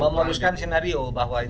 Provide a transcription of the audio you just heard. memuluskan skenario bahwa itu